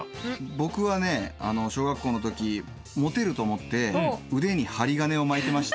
僕はね、小学校のときモテると思って腕に針金を巻いてました。